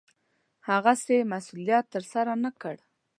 هغسې مسوولت ترسره نه کړ.